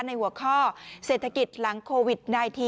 ในหัวข้อเศรษฐกิจหลังโควิด๑๙